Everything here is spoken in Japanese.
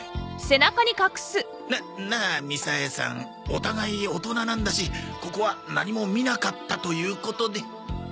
お互い大人なんだしここは何も見なかったということで。